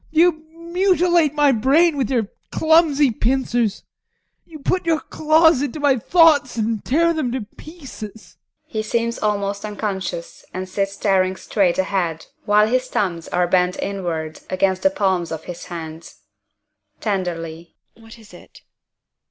You mutilate my brain with your clumsy pincers you put your claws into my thoughts and tear them to pieces! (He seems almost unconscious and sits staring straight ahead while his thumbs are bent inward against the palms of his hands.) TEKLA. [Tenderly] What is it?